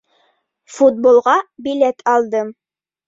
Футболға билет алдым.